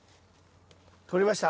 取れました？